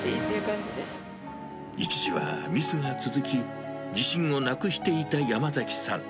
一時はミスが続き、自信をなくしていた山崎さん。